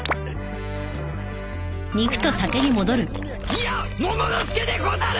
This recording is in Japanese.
いやモモの助でござる！